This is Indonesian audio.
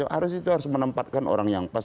harus itu harus menempatkan orang yang pas